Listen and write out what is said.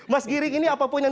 mas giring ini apapun yang